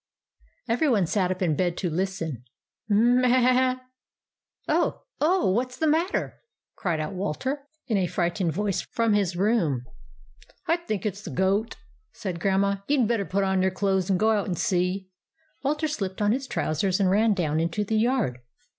Every one sat up in bed to listen. " M m a a a !" 86 THE ADVENTURES OF MABEL " Oh ! oh ! what 's the matter ?" cried out Walter, in a frightened voice, from his room. " I think it 's the goat," said Grandma. " You 'd better put on your clothes and go out and see." Walter slipped on his trousers, and ran down into the yard.